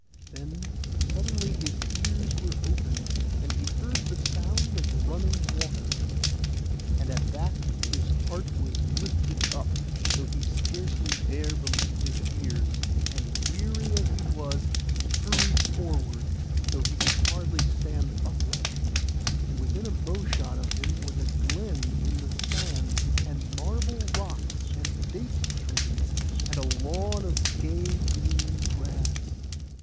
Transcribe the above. Then suddenly his ears were opened, and he heard the sound of running water. And at that his heart was lifted up, though he scarcely dare believe his ears; and weary as he was, he hurried forward, though he could scarcely stand upright; and within a bowshot of him was a glen in the sand, and marble rocks, and date trees, and a lawn of gay green grass.